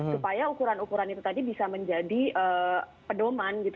supaya ukuran ukuran itu tadi bisa menjadi pedoman